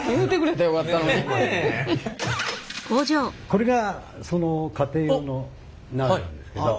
これがその家庭用の鍋なんですけど。